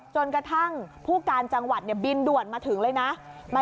จนกระทั่งผู้การจังหวัดบินด่วนมาถึงเลยนะ